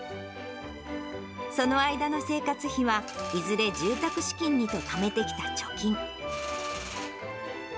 その間の生活費は、いずれ住宅資金にとためてきた貯金。